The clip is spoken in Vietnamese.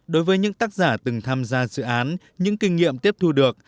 đối với những tác giả từng tham gia dự án những kinh nghiệm tiếp thu được